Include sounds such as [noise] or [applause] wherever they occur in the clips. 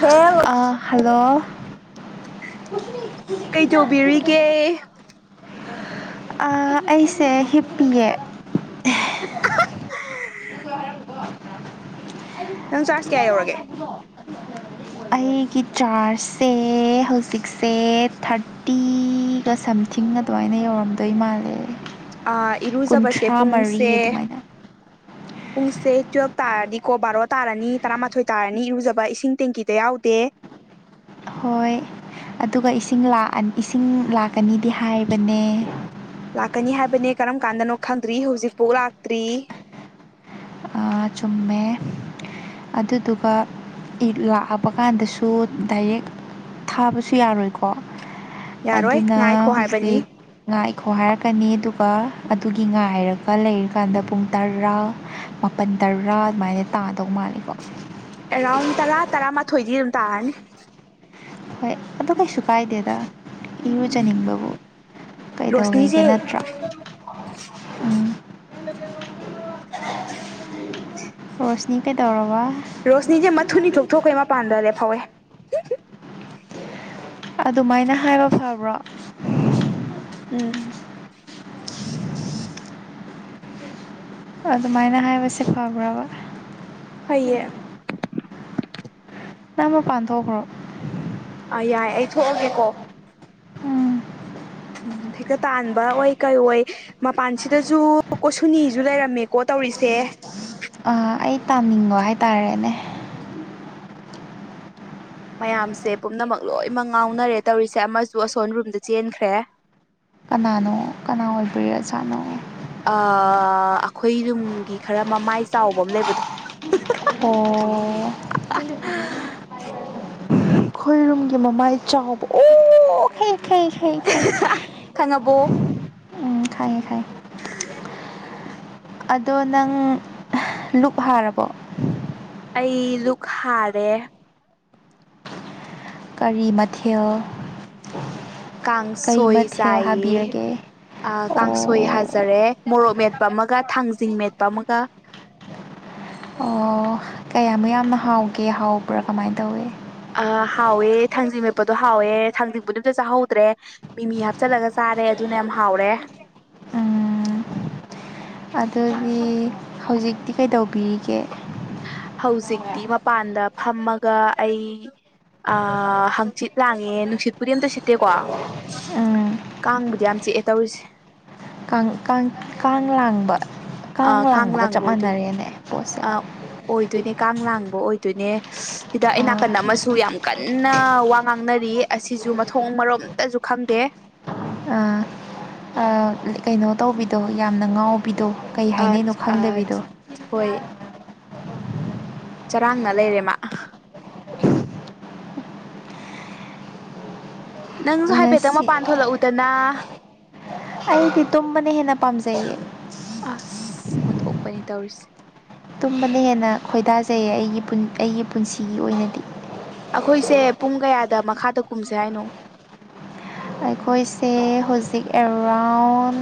Hello hello ꯀꯩ ꯇꯧꯕꯤꯔꯤꯒꯦ ꯑꯩꯁꯦ ꯍꯤꯞꯄꯤꯌꯦ ꯅꯪ ꯆꯥꯔꯖ ꯀꯌꯥ ꯌꯧꯔꯒꯦ ꯊꯗꯣ [inaudible] ꯑꯩꯒꯤ ꯆꯥꯔꯖꯁꯦ ꯍꯧꯖꯤꯛꯁꯦ ꯊꯥꯔꯇꯤꯒ ꯁꯝ ꯊꯤꯡ ꯑꯗꯨꯃꯥꯏꯅ ꯌꯧꯔꯝꯗꯣꯏ ꯃꯥꯜꯂꯦ ꯑ ꯏꯔꯨꯖꯕꯁꯦ ꯀꯨꯟꯊ꯭ꯔꯥ ꯃꯔꯤ ꯄꯨꯡꯁꯦ ꯑꯗꯨꯃꯥꯏꯅ ꯄꯨꯡꯁꯦ ꯇꯨꯌꯦꯦꯜꯐ ꯇꯥꯔꯗꯤꯀꯣ ꯕꯥꯔꯣ ꯇꯥꯔꯅꯤ ꯇꯔꯥꯃꯥꯊꯣꯏ ꯇꯥꯔꯅꯤ ꯏꯔꯨꯖꯕ ꯏꯁꯤꯡ ꯇꯦꯡꯀꯤꯗ ꯌꯥꯎꯗꯦ [inaudible] ꯍꯣꯏ ꯑꯗꯨꯒ ꯏꯁꯤꯡ ꯏꯁꯤꯡ ꯂꯥꯛꯀꯅꯤꯗꯤ ꯍꯥꯏꯕꯅꯦ ꯂꯥꯛꯀꯅꯤ ꯍꯥꯏꯕꯅꯦ ꯀꯔꯝ ꯀꯥꯟꯗꯅꯣ ꯈꯪꯗ꯭ꯔꯤ ꯍꯧꯖꯤꯛꯐꯥꯎ ꯂꯥꯛꯇ꯭ꯔꯤ ꯆꯨꯝꯃꯦ ꯑꯗꯨꯗꯨꯒ ꯂꯥꯛꯑꯕ ꯀꯥꯟꯗꯁꯨ ꯗꯥꯏꯔꯦꯛ ꯊꯥꯕꯁꯨ ꯌꯥꯔꯣꯏꯀꯣ ꯌꯥꯔꯣꯏ ꯉꯥꯏꯈꯣ ꯑꯗꯨꯅ ꯍꯥꯏꯕꯅꯤ ꯍꯧꯖꯤꯛ ꯉꯥ ꯏꯈꯣ ꯍꯥꯏꯔ ꯀꯛꯀꯅꯤ ꯑꯗꯨꯒ ꯑꯗꯨꯒꯤ ꯉꯥꯏꯔꯒ ꯂꯩꯔꯤꯀꯥꯟꯗ ꯄꯨꯡ ꯇꯔꯥ ꯃꯥꯄꯜ ꯇꯔꯥ ꯑꯗꯨꯃꯥꯏꯅ ꯇꯥꯗꯧ ꯃꯥꯜꯂꯤꯀꯣ ꯑꯦꯔꯥꯎꯟ ꯇꯔꯥ ꯇꯔꯥꯃꯥꯊꯣꯏꯗꯤ ꯑꯗꯨꯝ ꯇꯥꯔꯅꯤ ꯍꯣꯏ ꯑꯗꯨ ꯀꯩꯁꯨ ꯀꯥꯏꯗꯦꯗ ꯏꯔꯨꯖꯅꯤꯡꯕꯕꯨ ꯔꯣꯁꯅꯤꯁꯦ ꯀꯩꯗꯧꯋꯦꯒꯦ ꯅꯠꯇ꯭ꯔꯥ ꯎꯝ [inaudible] ꯔꯣꯁꯅꯤ ꯀꯩꯗꯧꯔꯕ ꯔꯣꯁꯅꯤꯁꯦ ꯃꯊꯨꯅꯤ ꯊꯣꯛ ꯊꯣꯛꯣꯛꯈ꯭ꯔꯦ ꯃꯄꯥꯟꯗꯗꯤ ꯐꯧꯋꯦ ꯑꯗꯨꯃꯥꯏꯅ ꯍꯥꯏꯕ ꯐꯕ꯭ꯔꯣ ꯎꯝ ꯑꯗꯨꯃꯥꯏꯅ ꯍꯥꯏꯕꯁꯦ ꯐꯕ꯭ꯔꯕ ꯍꯩꯌꯦ ꯅꯝꯕ ꯄꯥꯟꯊꯣꯛꯈ꯭ꯔꯣ ꯑꯥ ꯌꯥꯏ ꯑꯩ ꯊꯣꯛꯑꯒꯦꯀꯣ ꯎꯝ ꯎꯝ ꯐꯩꯀꯠ ꯇꯥꯟꯕ ꯑꯣꯏ ꯀꯩ ꯑꯣꯏ ꯃꯄꯥꯟꯁꯤꯗꯁꯨ ꯀꯣꯁꯨꯨꯅꯤꯁꯨ ꯂꯩꯔꯝꯃꯦꯀꯣ ꯇꯧꯔꯤꯁꯦ ꯑꯩ ꯇꯥꯅꯤꯡꯕ ꯍꯥꯏꯇꯥꯔꯦꯅꯦ ꯃꯌꯥꯝꯁꯦ ꯄꯨꯝꯅꯃꯛ ꯂꯣꯏꯅꯃꯛ ꯉꯥꯎꯅꯔꯦ ꯇꯧꯔꯤꯁꯦ ꯑꯃꯁꯨ ꯑꯁꯣꯟ ꯔꯨꯝꯗ ꯆꯦꯟꯈ꯭ꯔꯦ ꯀꯅꯥꯅꯣ ꯀꯅꯥ ꯑꯣꯏꯕ ꯑꯣꯖꯥꯅꯣ ꯑꯩꯈꯣꯏ ꯅꯨꯡꯒꯤ ꯈꯔ ꯃꯃꯥꯏ ꯆꯥꯎꯕ ꯑꯃ ꯂꯩꯕꯗꯣ ꯑꯣ ꯈꯣꯏꯔꯨꯝꯒꯤ ꯃꯃꯥꯏ ꯆꯥꯎꯕ ꯑꯣ ꯍ ꯈꯩ ꯈꯩ ꯈꯩ ꯈꯪꯉꯕꯣ ꯎꯝ ꯈ ꯈꯥꯏ ꯈꯥꯏ ꯑꯗꯣ ꯅꯪ ꯂꯨꯞ ꯍꯥꯔꯕꯣ ꯑꯩ ꯂꯨꯛ ꯍꯥꯔꯦ ꯀꯔꯤ ꯃꯊꯦꯜ ꯀꯔꯤ ꯀꯥꯡꯁꯣꯏ ꯃꯊꯦꯜ ꯆꯥꯏꯌꯦ ꯍꯥꯕꯤꯔꯒꯦ ꯀꯥꯡꯁꯣꯏ ꯑꯣ ꯍꯥꯏꯖꯔꯦ ꯃꯣꯔꯣꯛ ꯃꯦꯠꯄ ꯑꯃꯒ ꯊꯥꯡꯖꯤꯡ ꯃꯦꯠꯄ ꯑꯃꯒ ꯑꯣ ꯀꯌꯥꯃꯨ ꯌꯥꯝꯅ ꯍꯥꯎꯒꯦ ꯍꯥꯎꯕ꯭ꯔꯥ ꯀꯃꯥꯏꯅ ꯇꯧꯏ ꯍꯥꯎꯋꯦ ꯊꯥꯡꯖꯤꯡ ꯃꯦꯞꯄꯗꯣ ꯍꯥꯎꯋꯦ ꯊꯥꯡꯖꯤꯡꯕꯨꯗꯤ ꯑꯝꯇ ꯆꯥꯍꯧꯗ꯭ꯔꯦ ꯃꯤꯃꯤ ꯍꯥꯞꯆꯤꯜꯂꯒ ꯆꯥꯔꯦ ꯑꯗꯨ ꯌꯥꯝ ꯍꯥꯎꯔꯦ ꯎꯝ ꯑꯗꯨꯗꯤ ꯍꯧꯖꯤꯛꯇꯤ ꯀꯩꯗꯧꯕꯤꯔꯤꯒꯦ ꯍꯧꯖꯤꯛꯇꯤ ꯃꯄꯥꯟꯗ ꯐꯝꯃꯒ ꯑꯩ ꯑ ꯍꯪꯆꯤꯠ ꯂꯥꯡꯉꯦ ꯅꯨꯡꯁꯤꯠꯄꯨꯗꯤ ꯑꯃꯝꯇ ꯁꯤꯠꯇꯦꯀꯣ ꯎꯝ ꯀꯥꯡꯕꯨꯗꯤ ꯌꯥꯝ ꯆꯤꯛꯑꯦ ꯇꯧꯔꯤꯁꯦ ꯀꯥꯡ ꯀꯥꯡ ꯀꯥꯡ ꯂꯥꯡꯕ ꯀꯥꯡ ꯂꯥꯡꯕꯒ ꯂꯥꯡꯕ ꯆꯞ ꯑꯣꯏꯗꯣꯏ ꯃꯥꯟꯅꯔꯦꯅꯦ ꯄꯣꯠꯁꯦ ꯑꯣꯏꯗꯣꯏꯅꯦ ꯀꯥꯡ ꯂꯥꯡꯕ ꯑꯣꯏꯗꯣꯏꯅꯦ ꯁꯤꯤꯗ ꯑꯩ ꯑꯥ ꯅꯥꯀꯟ ꯑꯃꯁꯨ ꯁꯨ ꯌꯥꯝ ꯀꯟꯅ ꯋꯥ ꯉꯥꯡꯅꯔꯤ ꯑꯁꯤꯁꯨ ꯃꯊꯣꯡ ꯃꯔꯣꯝꯇꯁꯨ ꯈꯪꯗꯦ ꯑ [unintelligible] [inaudible] ꯀꯩꯅꯣ ꯇꯧꯕꯤꯗꯣ ꯌꯥꯝꯅ ꯉꯥꯎꯕꯤꯗꯣ ꯀꯩ ꯍꯥꯏꯅꯩꯅꯣ ꯈꯪꯗꯕꯤꯗꯣ ꯍꯣꯏ ꯆꯔꯥꯡꯅ ꯂꯩꯔꯦꯃ ꯅꯪꯁꯨ ꯍꯥꯏꯐꯦꯠꯇꯪ ꯉꯁꯤ ꯃꯄꯥꯟ ꯊꯣꯛꯂꯛꯎꯗꯅ ꯑꯩꯗꯤ ꯇꯨꯝꯕꯅ ꯍꯦꯟꯅ ꯄꯥꯝꯖꯩꯌꯦ ꯑꯁ ꯑꯣꯟꯊꯣꯛꯄꯅꯤ ꯇꯧꯔꯤꯁꯦ ꯇꯨꯝꯕꯅ ꯍꯦꯟꯅ ꯈꯣꯏꯗꯥꯖꯩꯌꯦ ꯑꯩꯒꯤ ꯑꯩꯒꯤ ꯄꯨꯟꯁꯤꯒꯤ ꯑꯣꯏꯅꯗꯤ ꯑꯩꯈꯣꯏꯁꯦ ꯄꯨꯡ ꯀꯌꯥꯗ ꯃꯈꯥꯗ ꯀꯨꯝꯁꯦ ꯍꯥꯏꯅꯣ? ꯑꯩꯈꯣꯏꯁꯦ ꯍꯧꯖꯤꯛ ꯑꯦꯔꯥꯎꯟ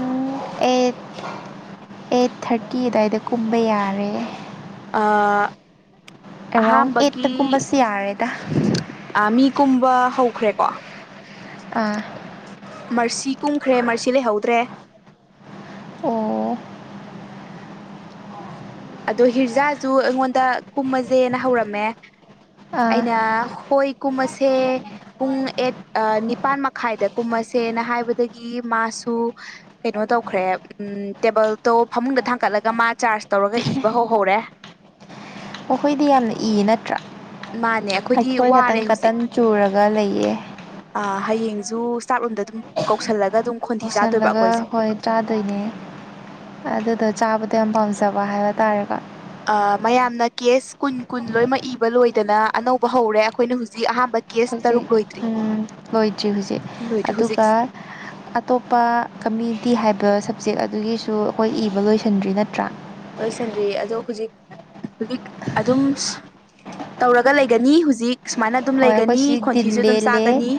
ꯑꯩꯠ ꯑꯩꯠ ꯊꯥꯔꯇꯤ ꯑꯗꯨꯋꯥꯏꯗ ꯀꯨꯝꯕ ꯌꯥꯔꯦ꯫ ꯑꯥ ꯑꯦꯔꯥꯎꯟ ꯑꯩꯠꯇ ꯀꯨꯝꯕꯁ ꯌꯥꯔꯦꯗ ꯑ ꯃꯤ ꯀꯨꯝꯕ ꯍꯧꯈ꯭ꯔꯦꯀꯣ ꯑꯥ ꯃꯔꯥꯁꯤ ꯀꯨꯝꯈ꯭ꯔꯦ ꯃꯔꯥꯁꯤ ꯂꯩꯍꯧꯗ꯭ꯔꯦ ꯑꯣ ꯑꯗꯣ ꯍꯤꯔꯖꯥ ꯖꯎ ꯑꯩꯉꯣꯟꯗ ꯀꯨꯝꯃꯁꯦꯅ ꯍꯧꯔꯝꯃꯦ ꯑꯥ ꯑꯩꯅ ꯍꯣꯏ ꯀꯨꯝꯃꯁꯦ ꯄꯨꯡ ꯑꯦꯠ ꯅꯤꯄꯥꯜ ꯃꯈꯥꯏꯗ ꯀꯨꯝꯃꯁꯦꯅ ꯍꯥꯏꯕꯗꯒꯤ ꯃꯥꯔꯁ ꯁꯨ ꯀꯩꯅꯣ ꯇꯧꯈ꯭ꯔꯦ ꯎ ꯇꯦꯕꯜꯗꯣ ꯐꯃꯨꯡꯗ ꯊꯥꯡꯒꯠꯂꯒ ꯃꯥ ꯆꯥꯔꯖ ꯇꯧꯔꯒ ꯏꯕꯍꯧ ꯍꯧꯔꯦ ꯃꯈꯣꯏꯗꯤ ꯌꯥꯝꯅ ꯏꯌꯦ ꯅꯠꯇ꯭ꯔꯥ ꯃꯥꯅꯦ ꯑꯩꯈꯣꯏꯗꯤ ꯑꯩꯈꯣꯏ ꯋꯥꯔꯦ ꯈꯇꯪ ꯍꯧꯖꯤꯛ ꯀꯇꯟ ꯆꯨꯔꯒ ꯂꯩꯌꯦ꯫ ꯍꯌꯦꯡꯁꯨ ꯆꯥꯛꯂꯣꯝꯗ ꯑꯗꯨꯝ ꯀꯧꯁꯜꯂꯒ ꯑꯗꯨꯝ ꯈꯣꯟꯊꯤ ꯆꯥꯗꯣꯏꯕ ꯌꯥꯧꯁꯜꯂꯒ ꯑꯩꯈꯣꯏꯁꯦ ꯍꯣꯏ ꯆꯥꯗꯣꯏꯅꯦ ꯑꯗꯨꯗ ꯆꯥꯕꯗ ꯌꯥꯝ ꯄꯥꯝꯖꯕ ꯍꯥꯏꯕ ꯇꯥꯔꯦꯀꯣ ꯃꯌꯥꯝꯅ ꯀꯦꯁ ꯀꯨꯟ ꯀꯨꯟ ꯂꯣꯏꯅꯃꯛ ꯏꯕ ꯂꯣꯏꯗꯅ ꯑꯅꯧꯕ ꯍꯧꯔꯦ ꯑꯩꯈꯣꯏꯅ ꯍꯧꯖꯤꯛ ꯑꯍꯥꯟꯕ ꯀꯦꯁ ꯍꯧꯖꯤꯛ ꯇꯔꯨꯛ ꯂꯣꯏꯗ꯭ꯔꯤ ꯎꯝ ꯂꯣꯏꯗ꯭ꯔꯤ ꯍꯧꯖꯤꯛ ꯂꯣꯏꯗ꯭ꯔꯤ ꯍꯧꯖꯤꯛ ꯑꯗꯨꯒ ꯑꯇꯣꯞꯄ ꯀꯝꯃ꯭ꯌꯨꯅꯤꯇꯤ ꯍꯥꯏꯕ ꯁꯞꯖꯦꯛ ꯑꯗꯨꯒꯤꯁꯨ ꯑꯩꯈꯣꯏ ꯏꯕ ꯂꯣꯏꯁꯤꯟꯗ꯭ꯔꯤ ꯅꯠꯇ꯭ꯔꯥ ꯑꯣꯏꯣꯏꯁꯅꯔꯤ ꯑꯗꯣ ꯍꯧꯖꯤꯛ ꯍꯧꯖꯤꯛ ꯑꯗꯨꯝ ꯇꯧꯔꯒ ꯂꯩꯒꯅꯤ ꯍꯧꯖꯤꯛ ꯁꯨꯃꯥꯏꯅ ꯑꯗꯨꯝ ꯍꯣꯏ ꯑꯩꯈꯣꯏ ꯂꯩꯒꯅꯤ ꯁꯤ ꯗꯤꯜ ꯈꯣꯟꯊꯤꯁꯨ ꯑꯗꯨꯝ ꯂꯦꯜꯂꯦ ꯆꯥꯒꯅꯤ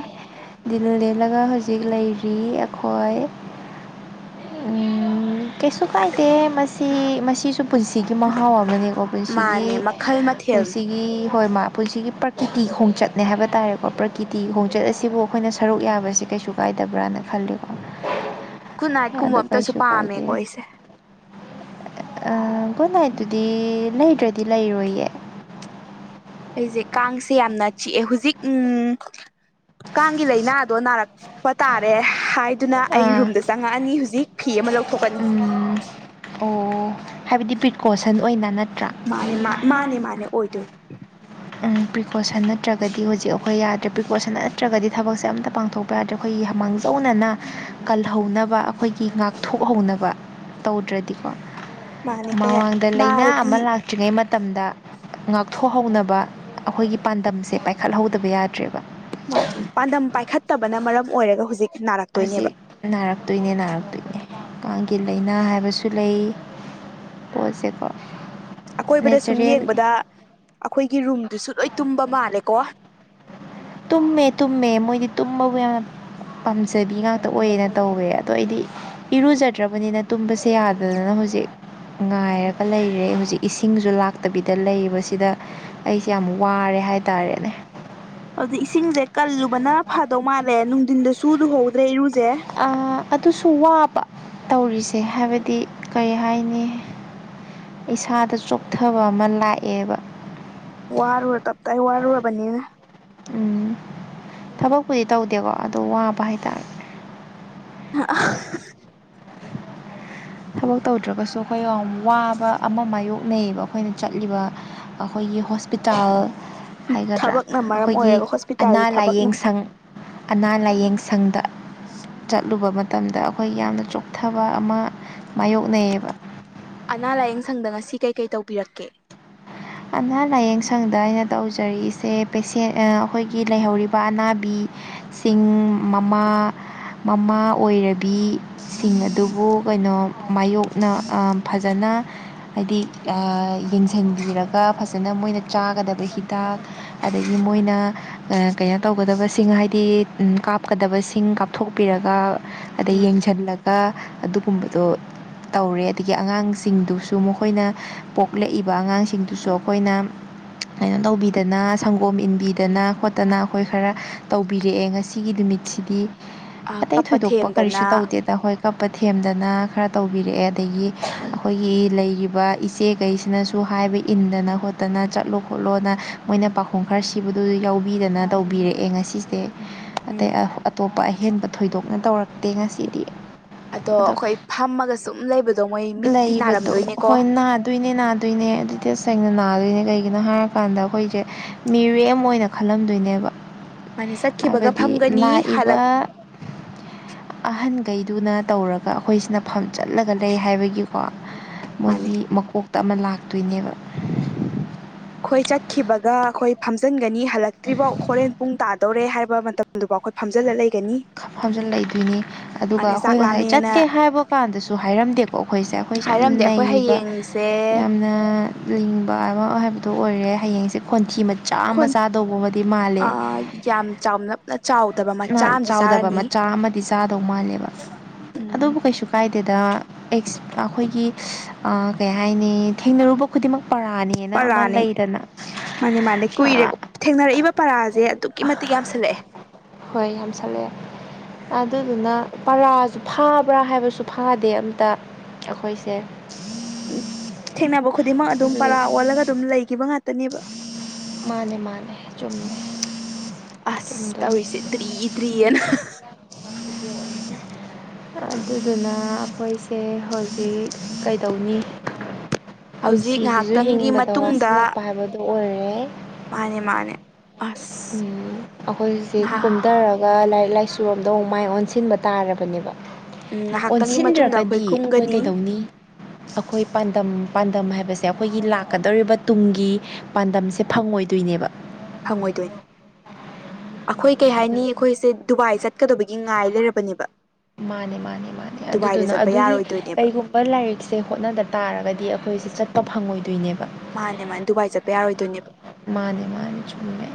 ꯗꯤꯜ ꯂꯦꯜꯂꯒ ꯍꯧꯖꯤꯛ ꯂꯩꯔꯤ ꯑꯩꯈꯣꯏ ꯀꯩꯁꯨ ꯀꯥꯏꯗꯦ ꯃꯁꯤ ꯃꯁꯤꯁꯨ ꯄꯨꯟꯁꯤꯒꯤ ꯃꯍꯥꯎ ꯑꯃꯅꯤꯀꯣ ꯄꯨꯟꯁꯤꯒꯤ ꯃꯥꯅꯦ ꯃꯈꯜ ꯃꯊꯦꯜꯅꯤ ꯄꯨꯟꯁꯤꯒꯤ ꯍꯣꯏ ꯃꯥꯄꯟꯁꯤꯒꯤ ꯄ꯭ꯔꯀꯤꯇꯤ ꯈꯣꯡꯆꯠꯅꯦ ꯍꯥꯏꯕ ꯇꯥꯔꯦꯀꯣ ꯄ꯭ꯔꯀꯤꯇꯤ ꯈꯣꯡꯆꯠ ꯑꯁꯤꯕꯨ ꯑꯩꯈꯣꯏꯅ ꯁꯔꯨꯛ ꯌꯥꯕꯁꯤ ꯀꯩꯁꯨ ꯀꯥꯏꯗꯕ꯭ꯔꯅ ꯈꯜꯂꯤꯨ ꯈꯨꯟꯅꯥꯏꯠ ꯀꯨꯝꯕ ꯑꯝꯇꯁꯨ ꯀꯩꯁꯨ ꯄꯥꯝꯃꯦꯀꯣ ꯀꯥꯏꯗꯦ ꯑꯩꯁꯦ ꯒꯨꯗ ꯅꯥꯏꯠꯇꯨꯗꯤ ꯂꯩꯗ꯭ꯔꯗꯤ ꯂꯩꯔꯣꯏꯌꯦ ꯑꯩꯁꯦ ꯀꯥꯡꯁꯦ ꯌꯥꯝꯅ ꯆꯤꯛꯑꯦ ꯍꯧꯖꯤꯛ ꯎꯝ ꯀꯥꯡꯒꯤ ꯂꯥꯏꯅꯥꯗꯣ ꯅꯥꯔꯛꯄ ꯇꯥꯔꯦ ꯍꯥꯏ ꯑꯗꯨꯅ ꯑꯩ ꯑꯥ ꯔꯨꯝꯗ ꯆꯪꯉꯛꯑꯅꯤ ꯍꯧꯖꯤꯛ ꯐꯤ ꯑꯃ ꯂꯧꯊꯣꯛꯀꯅꯤ ꯎꯝ ꯑꯣ ꯍꯥꯏꯕꯗꯤ ꯄ꯭ꯔꯤꯀꯣꯁꯟ ꯑꯣꯏꯅ ꯅꯠꯇ꯭ꯔꯥ ꯃꯥꯅꯦ ꯃꯥꯅꯦ ꯃꯥꯅꯦ ꯃꯥꯅꯦ ꯑꯣꯏꯗꯣꯏ ꯄ꯭ꯔꯤꯀꯣꯁꯟ ꯅꯠꯇ꯭ꯔꯒꯗꯤ ꯍꯧꯖꯤꯛ ꯑꯩꯈꯣꯏ ꯄ꯭ꯔꯤꯀꯣꯁꯟ ꯅꯠꯇ꯭ꯔꯒꯗꯤ ꯊꯕꯛꯁꯦ ꯑꯝꯇ ꯄꯥꯡꯊꯣꯛꯄ ꯌꯥꯗ꯭ꯔꯦ ꯑꯩꯈꯣꯏꯒꯤ ꯃꯥꯡꯖꯧꯅꯅ ꯀꯜꯍꯧꯅꯕ ꯑꯩꯈꯣꯏꯒꯤ ꯉꯥꯛꯊꯣꯛꯍꯧꯅꯕ ꯇꯧꯗ꯭ꯔꯗꯤ ꯣ ꯃꯥꯅꯦ ꯀꯌꯥ ꯃꯃꯥꯡꯗ ꯂꯩꯥꯏꯅꯥ ꯅꯥꯔꯗꯤ ꯑꯃ ꯂꯥꯛꯇ꯭ꯔꯤꯉꯩ ꯃꯇꯝꯗ ꯉꯥꯛꯊꯣꯛꯍꯧꯅꯕ ꯑꯩꯈꯣꯏꯒꯤ ꯄꯥꯟꯗꯝꯁꯦ ꯄꯥꯏꯈꯠꯍꯧꯗꯕ ꯌꯥꯗ꯭ꯔꯦꯕ ꯃꯥ ꯄꯥꯟꯗꯝ ꯄꯥꯏꯈꯠꯇꯕꯅ ꯃꯔꯝ ꯑꯣꯏꯔꯒ ꯍꯧꯖꯤꯛ ꯅꯥꯔꯛꯇꯣꯏꯅꯦꯕ ꯍꯧꯖꯤꯛ ꯅꯥꯔꯛꯇꯣꯏꯅꯦ ꯅꯥꯔꯛꯇꯣꯏꯅꯦ ꯀꯥꯡꯒꯤ ꯂꯥꯏꯅꯥ ꯍꯥꯏꯕꯁꯨ ꯂꯩ ꯄꯣꯠꯁꯦꯛ ꯑꯀꯣꯏꯕꯗ ꯁꯨꯝ ꯌꯦꯡꯕꯗ ꯑꯩꯈꯣꯏꯒꯤ ꯔꯨꯝ ꯑꯗꯨꯁꯨ ꯂꯣꯏ ꯇꯨꯝꯕ ꯃꯥꯜꯂꯦꯀꯣ ꯇꯨꯝꯃꯦ ꯇꯨꯝꯃꯦ ꯃꯣꯏꯗꯤ ꯇꯨꯝꯕꯕꯨ ꯌꯥꯝꯅ ꯄꯥꯝꯖꯕꯤ ꯉꯥꯛꯇ ꯑꯣꯏꯌꯦꯅ ꯇꯧꯋꯦ ꯑꯗꯣ ꯑꯩꯗꯤ ꯏꯔꯨꯖꯔꯦ ꯐꯠꯇ꯭ꯔꯕꯅꯤꯅ ꯇꯨꯝꯕꯁꯦ ꯌꯥꯗꯗꯅ ꯍꯧꯖꯤꯛ ꯉꯥꯏꯔꯒ ꯂꯩꯔꯦ ꯍꯧꯖꯤꯛ ꯏꯁꯤꯡꯁꯨ ꯂꯥꯛ ꯐꯠꯇꯕꯤꯗ ꯂꯩꯕꯁꯤꯗ ꯑꯩꯁꯦ ꯌꯥꯝ ꯋꯥꯔꯦ ꯍꯥꯏꯇꯥꯔꯦꯅꯦ ꯑꯗꯨ ꯏꯁꯤꯡꯁꯦ ꯀꯜꯂꯨꯕꯅ ꯐꯥꯗꯧ ꯃꯥꯜꯂꯦ ꯅꯨꯡꯊꯤꯟꯗꯁꯨ ꯂꯨꯍꯧꯗ꯭ꯔꯦ ꯏꯔꯨ ꯑ ꯑꯗꯨꯁꯨ ꯋꯥꯕ ꯇꯧꯔꯤꯁꯦ ꯍꯥꯏꯕꯗꯤ ꯀꯔꯤ ꯍꯥꯏꯅꯤ ꯏꯁꯥꯗ ꯆꯣꯛꯊꯕ ꯑꯃ ꯂꯥꯛꯑꯦꯕ ꯋꯥꯔꯨꯔ ꯇꯞꯇꯥꯏ ꯋꯥꯔꯨꯔꯕꯅꯤꯅ ꯎꯝ ꯊꯕꯛꯄꯨꯗꯤ ꯇꯧꯗꯦꯀꯣ ꯑ ꯋꯥꯕ ꯍꯥꯏꯇꯥꯔꯦ [unintelligible] ꯊꯕꯛ ꯇꯧꯗ꯭ꯔꯒꯁꯨ ꯑꯩꯈꯣꯏ ꯌꯥꯝ ꯋꯥꯕ ꯑꯃ ꯃꯌꯣꯛꯅꯩꯑꯌꯦꯕ ꯑꯩꯈꯣꯏꯅ ꯆꯠꯂꯤꯕ ꯑꯩꯈꯣꯏꯒꯤ ꯍꯣꯁꯄꯤꯇꯥꯜ ꯍꯥꯏꯒꯗ꯭ꯔꯥ ꯊꯕꯛꯅ ꯃꯔꯝ ꯑꯩꯈꯣꯏꯒꯤ ꯑꯣꯏꯔꯒ ꯑꯅꯥ ꯍꯣꯁꯄꯤꯇꯥꯜꯒꯤ ꯊꯕꯛꯅ ꯂꯥꯏꯌꯦꯡ ꯁꯪ ꯑꯅꯥ ꯂꯥꯏꯌꯦꯡ ꯁꯪꯗ ꯆꯠꯂꯨꯕ ꯃꯇꯝꯗ ꯑꯩꯈꯣꯏ ꯌꯥꯝꯅ ꯆꯣꯛꯊꯕ ꯑꯃ ꯃꯥꯌꯣꯛꯅꯩꯌꯦꯕ ꯑꯅꯥ ꯂꯥꯏꯌꯦꯡ ꯁꯪꯗ ꯉꯁꯤ ꯀꯩꯀꯩ ꯇꯧꯕꯤꯔꯛꯀꯦ ꯑꯅꯥ ꯂꯥꯏꯌꯦꯡ ꯁꯪꯗ ꯑꯩꯅ ꯇꯧꯖꯔꯤꯛꯏꯁꯦ ꯄꯦꯁꯦꯟ ꯑꯩꯈꯣꯏꯒꯤ ꯂꯩꯍꯧꯔꯤꯕ ꯑꯅꯥꯕꯤ ꯁꯤꯡ ꯃꯃꯥ ꯃꯃꯥ ꯑꯣꯏꯔꯕꯤꯁꯤꯡ ꯑꯗꯨꯕꯨ ꯀꯩꯅꯣ ꯃꯥꯌꯣꯛꯅ ꯐꯖꯅ ꯍꯥꯏ ꯌꯦ ꯐꯖꯅ ꯃꯣꯏꯅ ꯆꯥꯒꯗꯕ ꯍꯤꯗꯥꯛ ꯑꯗꯒꯤ ꯃꯣꯏꯅ ꯀꯩꯅꯣ ꯇꯧꯒꯗꯕ ꯁꯤꯡ ꯍꯥꯏꯗꯤ ꯀꯥꯞꯀꯗꯕꯁꯤꯡ ꯀꯥꯞꯊꯣꯛꯄꯤꯔꯒ ꯑꯗꯩ ꯎꯝ ꯌꯦꯡꯁꯤꯜꯂꯛ ꯀ ꯑꯗꯨꯒꯨꯝꯕꯗꯣ ꯇꯧꯔꯦ ꯑꯗꯒꯤ ꯑꯉꯥꯡꯁꯤꯡꯗꯨꯁꯨ ꯃꯈꯣꯏꯅ ꯄꯣꯛꯂꯛꯏꯕ ꯑꯉꯥꯡꯁꯤꯡ ꯁꯤꯡꯗꯨꯁꯨ ꯑꯩꯈꯣꯏꯅ ꯀꯥꯏꯅꯣ ꯇꯧꯕꯤꯗꯅ ꯁꯪꯒꯣꯝ ꯏꯟꯕꯤꯗꯅ ꯈꯣꯠꯇꯅ ꯑꯩꯈꯣꯏ ꯈꯔ ꯇꯧꯕꯤꯔꯛꯑꯦ ꯉꯁꯤꯒꯤ ꯅꯨꯃꯤ ꯃꯤꯠꯁꯤꯗꯤ ꯑꯇꯩ ꯀꯞꯄ ꯊꯣꯏꯗꯣꯛꯄ ꯊꯦꯝꯗꯅ ꯀꯔꯤꯁꯨ ꯇꯧꯗꯦꯗ ꯍꯣꯏ ꯄꯊꯦꯝꯗꯅ ꯈꯔ ꯇꯧꯕꯤꯔꯛꯑꯦ ꯑꯗꯒꯤ ꯑꯩꯈꯣꯏꯒꯤ ꯂꯩꯔꯤꯕ ꯏꯆꯦꯈꯩꯁꯤꯅꯁꯨ ꯍꯥꯏꯕ ꯏꯟꯗꯅ ꯈꯣꯠꯇꯅ ꯆꯠꯂꯣ ꯈꯣꯠꯂꯣꯅ ꯃꯣꯏꯅ ꯄꯥꯈꯨꯝ ꯈꯔ ꯁꯤꯕꯗꯨ ꯌꯥꯎꯕꯤꯗꯅ ꯇꯧꯕꯤꯔꯛꯑꯦ ꯉꯁꯤꯁꯦ ꯎꯝ ꯑꯇꯩ ꯑꯇꯣꯞꯄ ꯑꯍꯦꯟꯕ ꯊꯣꯏꯗꯣꯛꯅ ꯇꯧꯔꯛꯇꯦ ꯉꯁꯤꯗꯤ ꯑꯗꯣ ꯑꯩꯈꯣꯏ ꯐꯝꯃꯒ ꯁꯨꯝ ꯂꯩꯕꯗ ꯂꯩꯕꯗꯣ ꯍꯣꯏ ꯅꯥꯗꯣꯏꯅꯦ ꯅꯥꯗꯣꯏꯅꯦ ꯑꯗꯨꯗꯤ ꯑꯁ ꯁꯦꯡꯅ ꯅꯥꯗꯣꯏꯅꯦ ꯀꯩꯒꯤꯅꯣ ꯍꯥꯏꯔꯀꯥꯟꯗ ꯑꯩꯈꯣꯏꯁꯦ ꯃꯤꯔꯦ ꯑꯃ ꯑꯣꯏꯅ ꯈꯜꯂꯝꯗꯣꯏꯅꯦꯕ ꯃꯥꯅꯦ ꯆꯠꯈꯤꯕꯒ ꯍꯥꯏꯕꯗꯤ ꯐꯝꯒꯅꯤ ꯂꯥꯛꯏꯕ ꯍꯜꯂꯛ ꯑꯍꯟ ꯀꯩꯗꯨꯅ ꯇꯧꯔꯒ ꯑꯩꯈꯣꯏꯁꯤꯅ ꯐꯝ ꯆꯠꯂꯒ ꯂꯩ ꯍꯥꯏꯕꯒꯤꯀꯣ ꯃꯥꯅꯦ ꯃꯣꯏꯒꯤ ꯃꯀꯣꯛ ꯇ ꯑꯃ ꯂꯥꯛꯇꯣꯏꯅꯦꯕ ꯑꯩꯈꯣꯏ ꯆꯠꯈꯤꯕꯒ ꯑꯩꯈꯣꯏ ꯐꯝꯖꯤꯟꯒꯅꯤ ꯍꯜꯂꯛꯇ꯭ꯔꯤꯐꯥꯎ ꯍꯣꯔꯦꯟ ꯄꯨꯡ ꯇꯥ ꯇꯧꯔꯦ ꯍꯥꯏꯕ ꯃꯇꯝꯗꯨꯕꯨ ꯑꯩꯈꯣꯏ ꯐꯝꯖꯤꯜꯂ ꯂꯩ ꯍꯥꯞꯖꯤꯜ ꯂꯩꯗꯣꯏꯅꯤ ꯑꯗꯨꯒ ꯃꯥꯅꯦ ꯑꯩꯈꯣꯏ ꯆꯥꯛ ꯉꯁꯥꯏ ꯂꯥꯝꯃꯦꯅ ꯆꯠꯀꯦ ꯍꯥꯏꯕ ꯀꯥꯟꯗꯁꯨ ꯍꯥꯏꯔꯝꯗꯦꯣ ꯀꯣ ꯑꯩꯈꯣꯏꯁꯦ ꯑꯩꯈꯣꯏꯁꯦ ꯌꯥꯝ ꯍꯥꯏꯔꯝꯗꯦ ꯑꯩꯈꯣꯏ ꯅꯩꯕ ꯍꯌꯦꯡꯁꯦ ꯌꯥꯝꯅ ꯂꯤꯡꯕ ꯑꯃ ꯍꯥꯏꯕꯗꯤ ꯑꯗꯨ ꯑꯣꯏꯔꯦ ꯍꯌꯦꯡꯁꯦ ꯈꯣꯟꯊꯤ ꯃꯆꯥ ꯈꯣꯟ ꯃꯆꯥ ꯇꯧꯕꯕꯨꯗꯤ ꯃꯥꯜꯂꯦ ꯌꯥꯝ ꯆꯥꯎꯅꯞꯅ ꯆꯥꯎꯗꯕ ꯃꯆꯥ ꯅꯍꯥꯟ ꯑꯃꯗꯤ ꯆꯥꯎꯗꯕ ꯆꯥꯔꯅꯤ ꯃꯆꯥ ꯑꯃꯗꯤ ꯆꯥꯗꯧ ꯃꯥꯜꯂꯦꯕ ꯎꯝ ꯑꯗꯨꯕꯨ ꯀꯩꯁꯨ ꯀꯥꯏꯗꯦꯗ ꯑꯦꯁ ꯑꯩꯈꯣꯏꯒꯤ ꯀꯩ ꯍꯥꯏꯅꯤ ꯊꯦꯡꯅꯔꯨꯕ ꯈꯨꯗꯤꯡꯃꯛ ꯄꯔꯥꯅꯦꯅ ꯑꯃ ꯄꯔꯥꯅꯦ ꯂꯩꯗꯅ ꯃꯥꯅꯦ ꯃꯥꯅꯦ ꯀꯨꯏꯔꯦ ꯊꯦꯡꯅꯔꯛꯏꯕ ꯄꯔꯥꯁꯦ ꯑꯗꯨꯛꯀꯤ ꯃꯇꯤꯛ ꯌꯥꯝꯁꯜꯂꯛꯑꯦ ꯍꯣꯏ ꯌꯥꯝꯁꯜꯂꯛꯑꯦ ꯑꯗꯨꯗꯨꯅ ꯄꯔꯥꯁꯨ ꯐꯥꯕ꯭ꯔꯥ ꯍꯥꯏꯕꯁꯨ ꯐꯥꯗꯦ ꯑꯝꯇ ꯑꯩꯈꯣꯏꯁꯦ ꯎꯝ ꯊꯦꯡꯅꯕ ꯈꯨꯗꯤꯡꯃꯛ ꯑꯗꯨꯝ ꯑꯗꯨꯗ ꯄꯔꯥ ꯑꯣꯜꯂꯒ ꯑꯗꯨꯝ ꯂꯩꯈꯤꯕ ꯉꯥꯛꯇꯅꯦꯕ ꯃꯥꯅꯦ ꯃꯥꯅꯦ ꯆꯨꯝꯃꯦ ꯑꯁ ꯇꯗꯅꯤ ꯇꯧꯔꯤꯁꯦ ꯗ꯭ꯔꯤ ꯗ꯭ꯔꯤꯑꯅ ꯑꯗꯨꯗꯨꯅ ꯑꯩꯈꯣꯏꯁꯦ ꯍꯧꯖꯤꯛ ꯀꯩꯗꯧꯅꯤ ꯍꯧꯖꯤꯛ ꯄꯨꯟꯁꯤꯁꯤꯁꯨ ꯉꯥꯏꯍꯥꯛꯇꯪꯒꯤ ꯍꯤꯡꯕꯗ ꯃꯇꯨꯡꯗ ꯋꯥꯁꯤꯜꯂꯛꯄ ꯍꯥꯏꯕꯗꯨ ꯑꯣꯏꯔꯦ ꯃꯥꯅꯦ ꯃꯥꯅꯦ ꯎꯝ ꯑꯁ ꯑꯩꯈꯣꯏ ꯍꯧꯖꯤꯛ ꯉꯍꯥ ꯀꯨꯝꯊꯔꯒ ꯂꯥꯏꯔꯤꯛ ꯂꯥꯏꯁꯨ ꯆꯨꯔꯣꯝꯗꯣ ꯑꯃꯨꯛ ꯃꯥꯏ ꯑꯣꯟꯁꯤꯟꯕ ꯇꯥꯔꯕꯅꯦꯕ ꯎꯝ ꯉꯥꯏꯍꯥꯛꯇꯪꯒꯤ ꯃꯇꯨꯡꯗ ꯑꯣꯟꯁꯤꯟꯗ꯭ꯔꯒꯗꯤ ꯑꯩꯈꯣꯏ ꯀꯨꯝꯒꯅꯤ ꯀꯩꯗꯧꯅꯤ ꯑꯩꯈꯣꯏ ꯄꯥꯟꯗꯝ ꯄꯥꯟꯗꯝ ꯍꯥꯏꯕꯁꯦ ꯑꯩꯈꯣꯏꯒꯤ ꯂꯥꯛꯀꯗꯧꯔꯤꯕ ꯇꯨꯡꯒꯤ ꯄꯥꯟꯗꯝꯁꯦ ꯐꯪꯉꯣꯏꯗꯣꯏꯅꯦꯕ ꯐꯪꯉꯣꯏꯗꯣꯏ ꯑꯩꯈꯣꯏ ꯀꯩ ꯍꯥꯏꯅꯤ ꯑꯩꯈꯣꯏꯁꯦ ꯗꯨꯕꯥꯏ ꯆꯠꯀꯗꯕꯒꯤ ꯉꯥꯏ ꯂꯩꯔꯕꯅꯦꯕ ꯃꯥꯅꯦ ꯃꯥꯅꯦ ꯃꯥꯅꯦ ꯗꯨꯕꯥꯏꯗ ꯑꯗꯨꯗꯨꯅ ꯆꯠꯄ ꯑꯗꯨꯒꯤ ꯌꯥꯔꯣꯏꯗꯣꯏꯅꯦꯕ ꯀꯩꯒꯨꯝꯕ ꯂꯥꯏꯔꯤꯛꯁꯦ ꯍꯣꯠꯅꯗ ꯇꯥꯔꯒꯗꯤ ꯑꯩꯈꯣꯏꯁꯦ ꯆꯠ ꯇ ꯐꯪꯉꯣꯏꯗꯣꯏꯅꯦꯕ ꯃꯥꯅꯦ ꯃꯥꯅꯦ ꯗꯨꯕꯥꯏ ꯆꯠꯄ ꯌꯥꯔꯣꯏꯗꯣꯏꯅꯦꯕ ꯃꯥꯅꯦ ꯃꯥꯅꯦ ꯆꯨꯝꯉ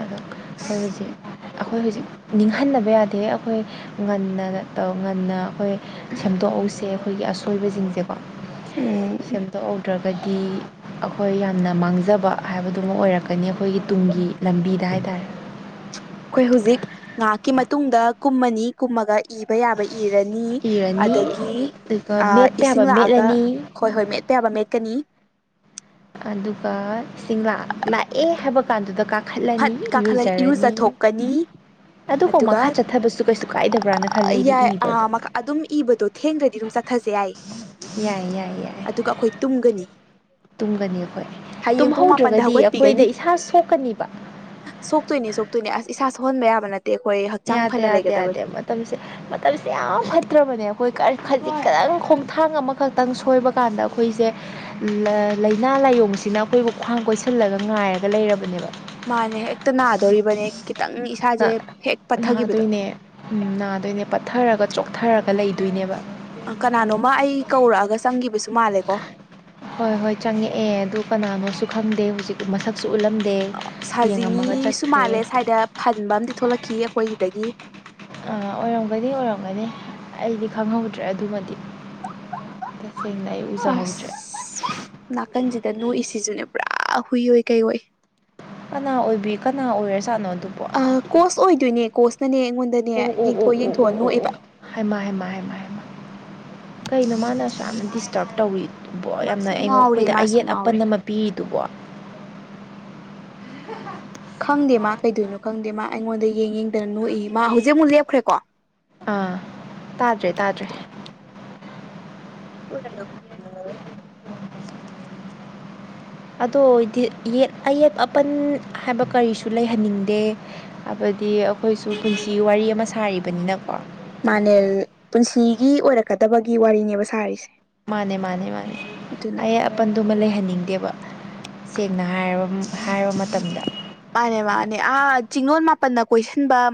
ꯑꯗꯣ ꯑꯩꯈꯣꯏ ꯍꯧꯖꯤꯛ ꯑꯩꯈꯣꯏ ꯍꯧꯖꯤꯛ ꯅꯤꯡꯍꯟꯅꯕ ꯌꯥꯗꯦ ꯑꯩꯈꯣꯏ ꯉꯟꯅ ꯇꯧ ꯉꯟꯅ ꯑꯩꯈꯣꯏ ꯁꯦꯝꯗꯣꯛꯍꯧꯁꯦ ꯑꯩꯈꯣꯏꯒꯤ ꯑꯁꯣꯏꯕꯁꯤꯡꯁꯦꯀꯣ ꯎꯝ ꯁꯦꯝꯗꯣꯛꯍꯧꯗ꯭ꯔꯒ ꯀꯗꯤ ꯑꯩꯈꯣꯏ ꯌꯥꯝꯅ ꯃꯥꯡꯖꯕ ꯍꯥꯏꯕꯗꯨꯃ ꯑꯣꯏꯔꯛꯀꯅꯤ ꯑꯩꯈꯣꯏꯒꯤ ꯇꯨꯡꯒꯤ ꯂꯝꯕꯤꯗ ꯍꯥꯏꯇꯥꯔꯦ ꯑꯩꯈꯣꯏ ꯍꯧꯖꯤꯛ ꯉꯥꯏꯍꯥꯛꯀꯤ ꯃꯇꯨꯡꯗ ꯀꯨꯝꯃꯅꯤ ꯀꯨꯝꯃꯒ ꯏꯕ ꯌꯥꯕ ꯏꯔꯅꯤ ꯏꯔꯅꯤ ꯑꯗꯒꯤ ꯑꯗꯨꯒ ꯃꯦꯠꯄ ꯏꯁꯤꯡ ꯌꯥꯕ ꯂꯥꯛꯑꯒ ꯃꯦꯠꯂꯅꯤ ꯍꯣꯏ ꯍꯣꯏ ꯃꯦꯠꯄ ꯌꯥꯕ ꯃꯦꯠꯀꯅꯤ ꯑꯗꯨꯒꯁꯤꯡ ꯂꯥꯛꯑꯦ ꯍꯥꯏꯕ ꯀꯥꯟꯗꯨꯗ ꯀꯥ ꯐꯠ ꯀꯥꯈꯠꯂꯛ ꯏꯔꯨꯖꯊꯣꯛꯀꯅꯤ ꯑꯗꯨꯐꯥꯎ ꯑꯗꯨꯒ ꯃꯈꯥ ꯆꯠꯊꯕꯁꯨ ꯀꯩꯁꯨ ꯀꯥꯏꯗꯕ꯭ꯔꯅ ꯈꯜꯂꯦ ꯑꯩꯗꯤ ꯌꯥꯏ ꯏꯕꯗꯣ ꯑꯗꯨꯝ ꯏꯕꯗꯣ ꯊꯦꯡꯈ꯭ꯔꯗꯤ ꯑꯗꯨꯝ ꯆ ꯆꯠꯊꯁꯦ ꯌꯥꯏ ꯌꯥꯏ ꯌꯥꯏ ꯌꯥꯏ ꯑꯗꯨꯒ ꯑꯩꯈꯣꯏ ꯇꯨꯝꯒꯅꯤ ꯇꯨꯝꯒꯅꯤ ꯑꯩꯈꯣꯏ ꯍꯌꯦꯡ ꯄꯨꯡ ꯃꯥꯄꯟꯗ ꯇꯨꯝꯍꯧꯗ꯭ꯔꯒꯗꯤ ꯍꯧꯒꯠꯄꯤꯒꯅꯤ ꯑꯩꯈꯣꯏꯗ ꯏꯁꯥ ꯁꯣꯛꯀꯅꯤꯕ ꯁꯣꯛꯇꯣꯏꯅꯦ ꯁꯣꯛꯇꯣꯏꯅꯦ ꯑꯁ ꯏꯁꯥ ꯁꯍꯣꯟꯕ ꯌꯥꯕ ꯅꯠꯇꯦ ꯑꯩꯈꯣꯏ ꯍꯛꯆꯥꯡ ꯌꯥꯗꯦ ꯐꯅ ꯌꯥꯗꯦ ꯂꯩꯒꯗꯕꯅꯤ ꯌꯥꯗꯦ ꯃꯇꯝꯁꯦ ꯃꯇꯝꯁꯦ ꯌꯥꯝ ꯐꯠꯇ꯭ꯔꯕꯅꯦ ꯑꯩꯈꯣꯏ ꯈꯖꯤꯛ ꯈꯛꯇꯪ ꯈꯣꯡꯊꯥꯡ ꯑꯃꯈꯛꯇꯪ ꯁꯣꯏꯕ ꯀꯥꯟꯗ ꯑꯩꯈꯣꯏꯁꯦ ꯂꯥꯏꯅꯥ ꯂꯥꯏꯌꯡꯁꯤꯅ ꯑꯩꯈꯣꯏꯕꯨ ꯈ꯭ꯋꯥꯡ ꯀꯣꯏꯁꯤꯜꯂꯒ ꯉꯥꯏꯔꯒ ꯂꯩꯔꯕꯅꯦꯕ ꯃꯥꯅꯦ ꯍꯦꯛꯇ ꯅꯥꯗꯣꯔꯤꯕꯅꯦ ꯈꯤꯇꯪ ꯏꯁꯥꯁꯦ ꯍꯦꯛ ꯄꯠꯊꯈꯤꯕꯗ ꯅꯥꯗꯣꯏꯅꯦ ꯅꯥꯗꯣꯏꯅꯦ ꯄꯠꯊꯔꯒ ꯆꯣꯛꯊꯔꯒ ꯂꯩꯗ ꯑꯗꯨꯣꯏꯅꯦꯕ ꯀꯅꯥꯅꯣꯃ ꯑꯩ ꯀꯧꯔꯛꯑꯒ ꯆꯪꯒꯤꯕꯁꯨ ꯃꯥꯜꯂꯦꯀꯣ ꯍꯣꯏ ꯍꯣꯏ ꯆꯪꯉꯛꯑꯦ ꯑꯗꯨ ꯀꯅꯥꯅꯣꯁꯨ ꯈꯪꯗꯦ ꯍꯧꯖꯤꯛ ꯃꯁꯛ ꯁꯖꯤꯅꯤꯁꯨ ꯆꯠꯈ꯭ꯔꯦ ꯃꯥꯜꯂꯦ ꯁ꯭ꯋꯥꯏꯗ ꯐꯟꯕ ꯑꯝ ꯊꯣꯛꯂꯛꯈꯤ ꯑꯩꯈꯣꯏꯗꯒꯤ ꯑꯣꯏꯔꯝꯒꯅꯤ ꯑꯣꯏꯔꯝꯒꯅꯤ ꯑꯩꯗꯤ ꯈꯪꯍꯧꯗ꯭ꯔꯦ ꯑꯗꯨꯃꯗꯤ ꯇꯁꯦꯡꯅ ꯑꯩ ꯎꯖꯍꯧꯗ꯭ꯔꯦ ꯑꯁ ꯅꯥꯀꯟꯁꯤꯗ ꯅꯣꯛꯏꯁꯤꯁꯨꯅꯦ ꯄꯨꯔꯥ ꯍꯨꯏꯣꯏ ꯀꯩꯑꯣꯣꯏ ꯀꯅꯥ ꯑꯣꯏꯕꯤ ꯀꯅꯥ ꯑꯣꯏꯔ ꯁꯥꯥꯅꯣꯗꯣ ꯑ ꯀꯣꯁ ꯑꯣꯏꯗꯣꯏꯅꯦ ꯀꯣꯁꯅꯅꯦ ꯑꯩꯉꯣꯟꯗꯅꯦ ꯎ ꯎ ꯎ ꯌꯦꯡꯊꯣꯛ ꯎ ꯌꯦꯡꯊꯣꯛꯑ ꯎ ꯅꯣꯛꯑꯦꯕ ꯑꯣ ꯀꯩꯅꯣ ꯃꯥꯅꯁꯨ ꯌꯥꯝꯅ ꯗꯤꯁꯇꯔꯕ ꯇꯧꯋꯤ ꯕꯣ ꯌꯥꯝꯅ ꯃꯥꯁꯨ ꯑꯩꯉꯣꯟ ꯉꯥꯎꯔꯦ ꯑꯩꯈꯣꯏꯗ ꯃꯥꯁꯨ ꯑꯌꯦꯠ ꯉꯥꯎꯔꯦ ꯑꯄꯟ ꯑꯃ ꯄꯤꯔꯤꯗꯨꯕꯣ ꯈꯪꯗꯦ ꯃꯥ ꯀꯩꯗꯣꯏꯅꯣ ꯈꯪꯗꯦ ꯃꯥ ꯑꯩꯉꯣꯟꯗ ꯌꯦꯡ ꯌꯦꯡꯗꯅ ꯅꯣꯛꯏ ꯃꯥ ꯍꯧꯖꯤꯛ ꯑꯃꯨꯛ ꯂꯦꯞꯈ꯭ꯔꯦꯀꯣ ꯑꯥ ꯇꯥꯗ꯭ꯔꯦ ꯇꯥꯗ꯭ꯔꯦ ꯃꯥ [unintelligible] ꯑꯗꯣꯗꯤ ꯑꯌꯦꯠ ꯑꯄꯟ ꯍꯥꯏꯕ ꯀꯔꯤꯁꯨ ꯂꯩꯍꯟꯅꯤꯡꯗꯦ ꯑꯗꯨꯗꯤ ꯑꯩꯈꯣꯏꯁꯨ ꯄꯨꯟꯁꯤ ꯋꯥꯔꯤ ꯑꯃ ꯁꯥꯔꯤꯕꯅꯤꯅꯀꯣ ꯃꯅꯦ ꯄꯨꯟꯁꯤꯒꯤ ꯑꯣꯏꯔꯛꯀꯗꯕꯒꯤ ꯋꯥꯔꯤꯅꯦꯕ ꯁꯥꯔꯤꯁꯦ ꯃꯥꯅꯦ ꯃꯥꯅꯦ ꯃꯥꯅꯦ ꯑꯗꯨꯅ ꯑꯩꯟ ꯑꯗꯨꯃ ꯂꯩꯍꯟꯅꯤꯡꯗꯦꯕ ꯁꯦꯡꯅ ꯍꯥꯏꯔꯕ ꯍꯥꯏꯔꯕ ꯃꯇꯝꯗ ꯃꯥꯅꯦ ꯃꯥꯅꯦ ꯑꯥ ꯆꯤꯡꯂꯣꯜ ꯃꯥꯄꯟꯅ ꯀꯣꯏꯁꯤꯟꯕ